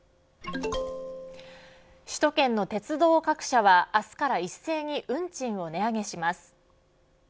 首都圏の鉄道各社は明日から一斉に運賃を値上げします。